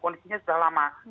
kondisinya sudah lama